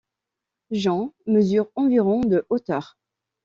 Jean mesure environ de hauteur.